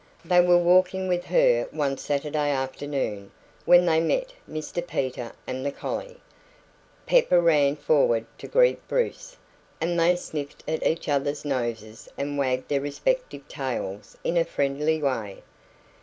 They were walking with her one Saturday afternoon, when they met Mr Peter and the collie. Pepper ran forward to greet Bruce, and they sniffed at each other's noses and wagged their respective tails in a friendly way.